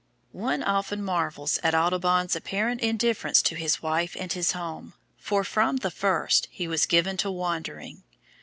One often marvels at Audubon's apparent indifference to his wife and his home, for from the first he was given to wandering.